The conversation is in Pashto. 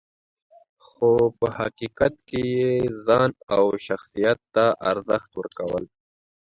خو په حقیقت کې یې ځان او شخصیت ته ارزښت ورکول .